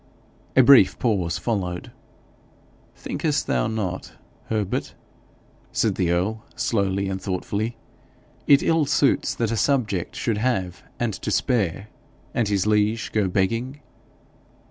A brief pause followed. 'Thinkest thou not, Herbert,' said the earl, slowly and thoughtfully, 'it ill suits that a subject should have and to spare, and his liege go begging?'